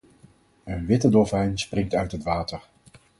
Een witte dolfijn springt uit het water.